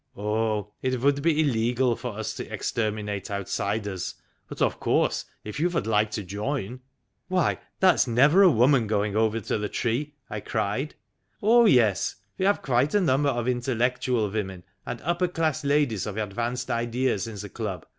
"Oh, it would be illegal for us to exterminate outsiders. But of course if you would like to join. ..."" Why, that 's never a woman going over to the tree!" I cried. " Oh yes, we have quite a number of intellectual women and upper class ladies of advanced ideas in the club.